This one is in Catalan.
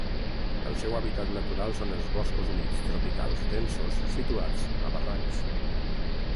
El seu hàbitat natural són els boscos humits tropicals densos situats a barrancs.